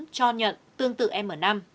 cho nhận tương tự m năm